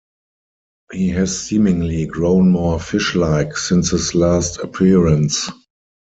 He has seemingly grown more fish like since his last appearance.